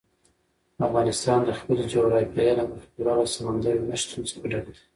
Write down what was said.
افغانستان د خپلې جغرافیې له مخې پوره له سمندر نه شتون څخه ډک دی.